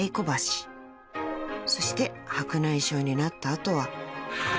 ［そして白内障になった後は］